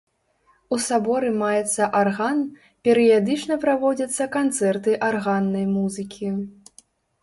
У саборы маецца арган, перыядычна праводзяцца канцэрты арганнай музыкі.